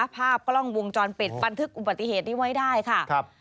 ภาพกล้องวงจรปิดบันทึกอุบัติเหตุนี้ไว้ได้ค่ะครับ